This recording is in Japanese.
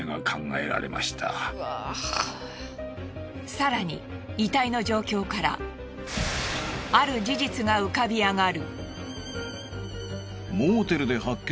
更に遺体の状況からある事実が浮かび上がる。